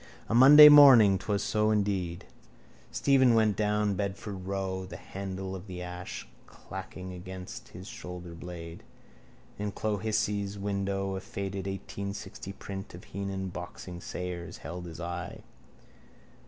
A Monday morning, 'twas so, indeed. Stephen went down Bedford row, the handle of the ash clacking against his shoulderblade. In Clohissey's window a faded 1860 print of Heenan boxing Sayers held his eye.